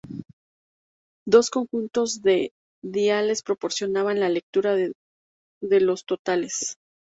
Dos conjuntos de diales proporcionaban la lectura de los totales.